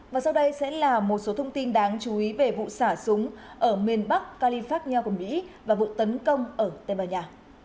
và sau đây sẽ là một số thông tin đáng chú ý về vụ xả súng ở miền bắc california của mỹ và vụ tấn công ở tây ban nha